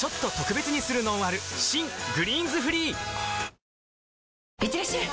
新「グリーンズフリー」いってらっしゃい！